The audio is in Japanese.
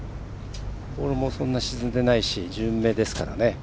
そんなに沈んでないし順目ですからね。